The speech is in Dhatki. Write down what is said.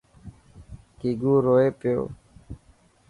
گيگو روئي پيو.